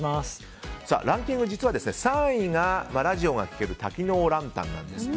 ランキング、実は３位がラジオが聞ける多機能ランタンなんです。